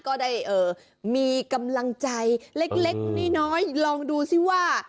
ก็ได้มีกำลังใจเล็กน้อยลองดูซิว่า